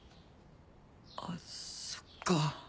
あそっか。